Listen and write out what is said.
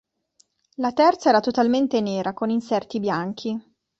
La terza era totalmente nera, con inserti bianchi.